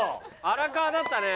荒川だったね。